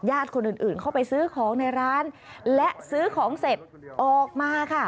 คนอื่นอื่นเข้าไปซื้อของในร้านและซื้อของเสร็จออกมาค่ะ